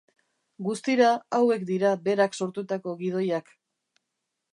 Guztira hauek dira berak sortutako gidoiak.